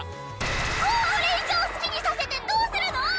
これ以上好きにさせてどうするの！？